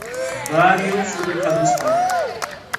بارى يوق شۇ بىر كالىمىز قالدى.